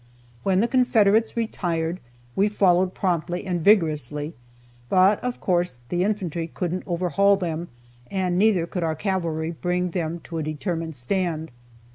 When the Confederates retired, we followed promptly and vigorously, but of course the infantry couldn't overhaul them, and neither could our cavalry bring them to a determined stand.